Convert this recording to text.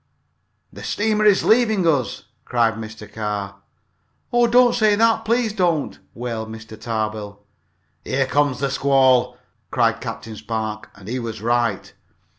"The steamer is leaving us!" cried Mr. Carr. "Oh, don't say that, please don't!" wailed Mr. Tarbill. "Here comes the squall!" cried Captain Spark, and he was right.